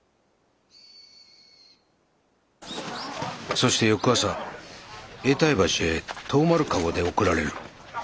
そして翌朝永代橋へ唐丸かごで送られる。